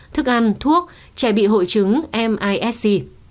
thức ăn thuốc trẻ bị hội chứng misc